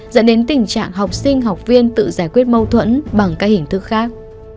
dẫn đến tình trạng học sinh học viên tự giải quyết mâu thuẫn bằng các hình thức khác